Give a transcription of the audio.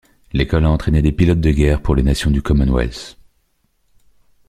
L'école a entraînée des pilotes de guerre pour les nations du Commonwealth.